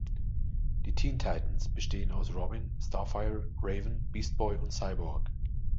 Die Teen Titans bestehen aus Robin, Starfire, Raven, Beast Boy und Cyborg.